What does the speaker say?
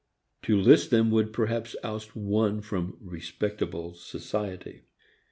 To list them would perhaps oust one from "respectable" society.